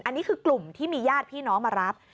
อันนี้คือกลุ่มที่มีญาติพี่น้องมารับ